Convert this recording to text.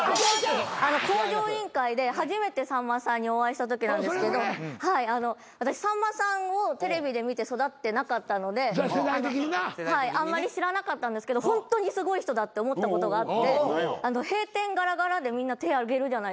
『向上委員会』で初めてさんまさんにお会いしたときなんですけど私さんまさんをテレビで見て育ってなかったのであんまり知らなかったんですけどホントにすごい人だって思ったことがあって閉店ガラガラでみんな手挙げるじゃないですか。